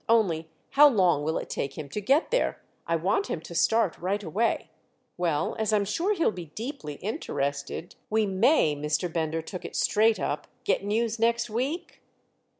Only, how long will it take him to get there? I want him to start right away." "Well, as I'm sure he'll be deeply interested——" "We may"—Mr. Bender took it straight up—"get news next week?"